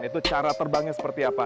itu cara terbangnya seperti apa